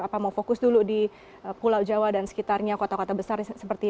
apa mau fokus dulu di pulau jawa dan sekitarnya kota kota besar seperti